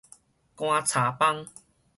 棺柴枋